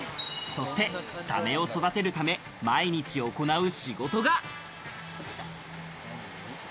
そしてサメを育てるため、毎日行う仕事が。